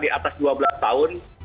tidak akan bisa melakukan kontak kerak